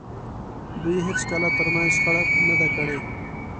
دوی هېڅکله تر منځ شخړه نه ده کړې.